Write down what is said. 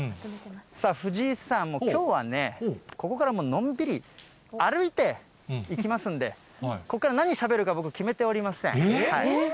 さあ、藤井さん、きょうはね、ここからもうのんびり、歩いていきますんで、ここから何しゃべるか僕、決めておりません。